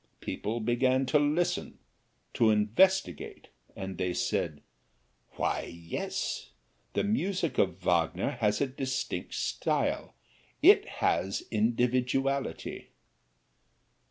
People began to listen, to investigate, and they said, "Why, yes, the music of Wagner has a distinct style it has individuality."